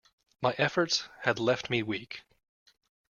My efforts had left me weak.